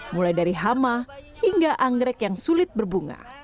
mulai dari hama hingga anggrek yang sulit berbunga